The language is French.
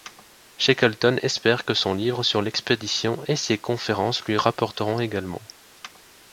Shackleton espère que son livre sur l'expédition et ses conférences lui rapporteront également.